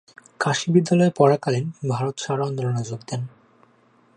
কাশী বিশ্ববিদ্যালয়ে পড়াকালীন ভারত ছাড়ো আন্দোলনে যোগ দেন।